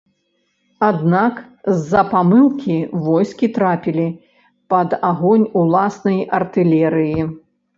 Аднак з-за памылкі войскі трапілі пад агонь уласнай артылерыі.